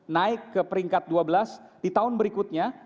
naik ke peringkat dua belas di tahun berikutnya